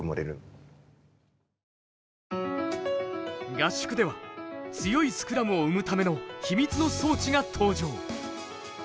合宿では強いスクラムを生むための秘密の装置が登場！